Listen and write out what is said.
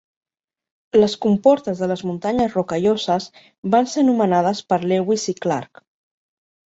Les comportes de les muntanyes Rocalloses van ser anomenades per Lewis i Clark.